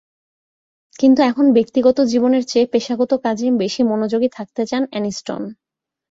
কিন্তু এখন ব্যক্তিগত জীবনের চেয়ে পেশাগত কাজেই বেশি মনোযোগী থাকতে চান অ্যানিস্টন।